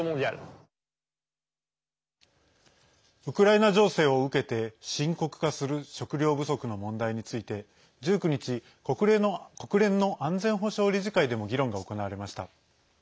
ウクライナ情勢を受けて深刻化する食料不足の問題について、１９日国連の安全保障理事会でも議論が行われました。